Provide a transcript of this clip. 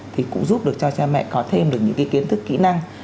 thì cũng giúp được cho cha mẹ có thêm được những cái kiến thức kỹ năng